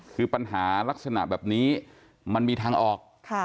คือปัญหาลักษณะแบบนี้มันมีทางออก